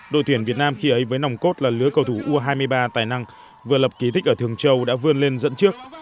đội tuyển việt nam khi ấy với nòng cốt là lứa cầu thủ u hai mươi ba tài năng vừa lập ký thích ở thường châu đã vươn lên dẫn trước